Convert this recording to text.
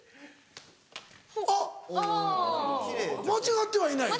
あっ間違ってはいないぞ。